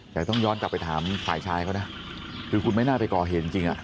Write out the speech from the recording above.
แต่ต้องย้อนกลับไปถามฝ่ายชายเขานะคือคุณไม่น่าไปก่อเหตุจริง